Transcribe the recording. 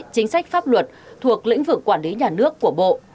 chính sách pháp luật thuộc lĩnh vực quản lý nhà nước của bộ